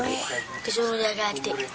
disuruh jaga adik